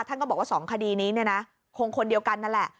ท่านก็บอกว่า๒คดีนี้เนี่ยนะคงคนเดียวกันนั่นแหละ